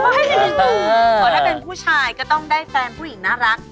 เพราะถ้าเป็นผู้ชายก็ต้องได้แฟนผู้หญิงน่ารัก